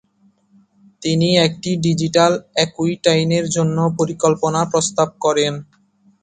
তিনি একটি "ডিজিটাল একুইটাইনের জন্য পরিকল্পনা" প্রস্তাব করেন।